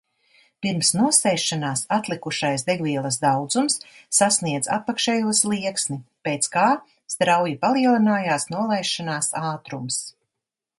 Pirms nosēšanās atlikušais degvielas daudzums sasniedza apakšējo slieksni, pēc kā strauji palielinājās nolaišanās ātrums.